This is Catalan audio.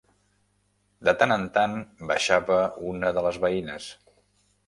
De tan en tan baixava una de les veïnes